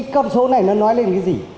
con số này nói lên điều gì